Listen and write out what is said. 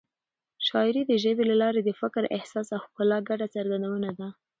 شاعري د ژبې له لارې د فکر، احساس او ښکلا ګډه څرګندونه ده.